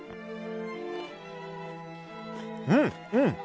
うん！